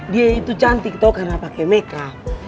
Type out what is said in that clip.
dia itu cantik tuh karena pakai makeup